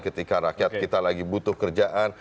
ketika rakyat kita lagi butuh kerjaan